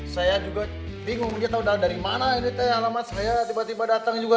saya juga bingung kita udah dari mana ini teh alamat saya tiba tiba datang juga